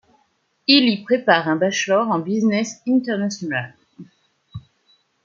Il y prépare un bachelor en Business International.